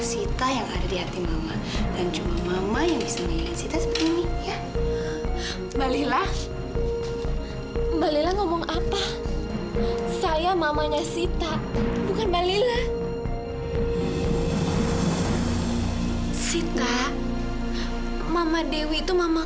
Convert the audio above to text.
sita gak mau sama mama dewi